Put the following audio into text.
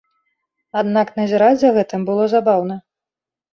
Аднак назіраць за гэтым было забаўна.